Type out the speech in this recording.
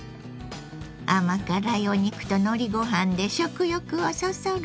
甘辛いお肉とのりご飯で食欲をそそるわ。